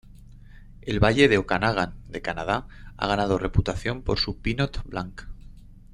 El valle del Okanagan de Canadá ha ganado reputación por su pinot blanc.